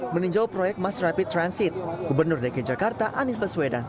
meninjau proyek mass rapid transit gubernur dki jakarta anies baswedan